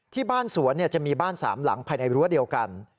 ที่บ้านสวนจะมีบ้าน๓หลังภายในรั้วเดียวกัน